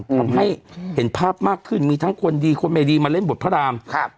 ทำให้เห็นภาพมากขึ้นมีทั้งคนดีคนไม่ดีมาเล่นบทพระรามครับ